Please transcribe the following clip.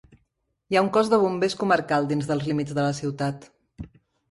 Hi ha un cos de bombers comarcal dins els límits de la ciutat.